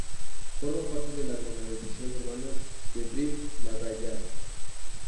Forma parte de la aglomeración urbana de Brive-la-Gaillarde.